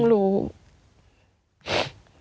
แม่เชื่อว่าต้องรู้